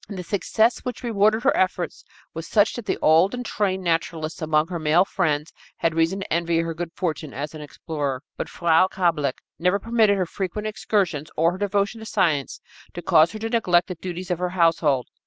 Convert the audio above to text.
And the success which rewarded her efforts was such that the old and trained naturalists among her male friends had reason to envy her good fortune as an explorer. But Frau Kablick never permitted her frequent excursions, or her devotion to science, to cause her to neglect the duties of her household.